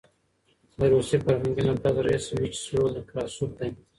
د روسي فرهنګي مرکز رییس ویچسلو نکراسوف دی.